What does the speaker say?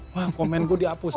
wah komen gue dihapus